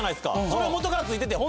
それ元から付いてて。